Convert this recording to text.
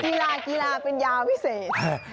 กีฬากีฬาเป็นยาพิเศษ